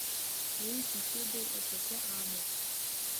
Уигь иҷыдоу аҵакы амоуп.